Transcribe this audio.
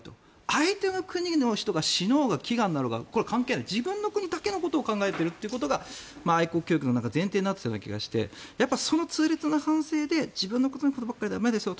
相手の国の人が死のうが飢餓になろうが関係ない自分の国だけのことを考えているっていうのが愛国教育の前提になっていたような気がしてその痛烈な反省で自分のことばかりじゃ駄目ですよ